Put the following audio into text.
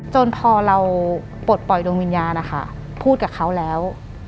จนพอเราปลดปล่อยดวงวิญญาณนะคะพูดกับเขาแล้ว